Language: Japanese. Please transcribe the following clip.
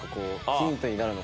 ヒントになるの？